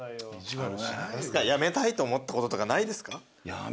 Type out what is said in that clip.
辞めたいと思ったこととかないですか？